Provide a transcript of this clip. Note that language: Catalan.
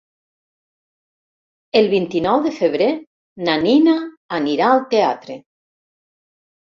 El vint-i-nou de febrer na Nina anirà al teatre.